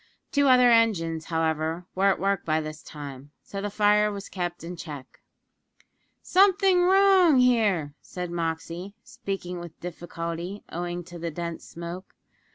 Two other engines, however, were at work by this time so the fire was kept in check. "Something wrong here," said Moxey, speaking with difficulty, owing to the dense smoke.